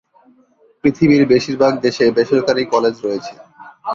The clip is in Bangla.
পৃথিবীর বেশীরভাগ দেশে বেসরকারি কলেজ রয়েছে।